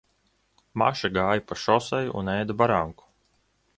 Maša gāja pa šoseju un ēda baranku.